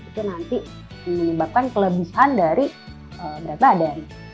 itu nanti menyebabkan kelebihan dari berat badan